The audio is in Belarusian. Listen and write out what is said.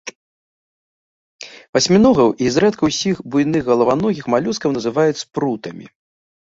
Васьміногаў і зрэдку ўсіх буйных галаваногіх малюскаў называюць спрутамі.